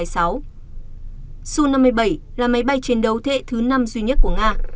su năm mươi bảy là máy bay chiến đấu thế hệ thứ năm duy nhất của nga